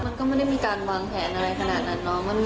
มันก็ไม่ได้มีการวางแผนอะไรขนาดนั้นเนาะ